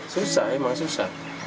susah memang susah